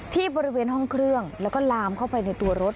ที่บริเวณห้องเครื่องแล้วก็ลามเข้าไปในตัวรถ